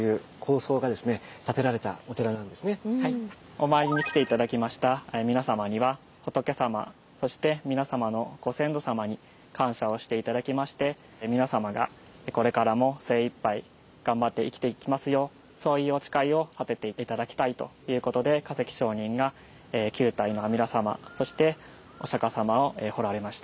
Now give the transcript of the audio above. お参りに来て頂きました皆様には仏さまそして皆様のご先祖様に感謝をして頂きまして皆様がこれからも精いっぱい頑張って生きていきますようそういうお誓いを立てて頂きたいということで珂碩上人が９体の阿弥陀様そしてお釈様を彫られました。